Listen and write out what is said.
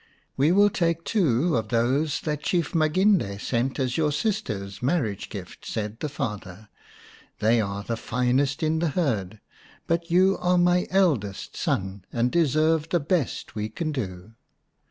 " We will take two of those the Chief Maginde sent as your sister's marriage gift," said the father. " They are the finest in the herd, but you are my eldest son, and deserve the best we can do."